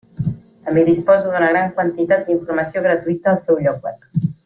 També disposa d'una gran quantitat d'informació gratuïta al seu lloc web.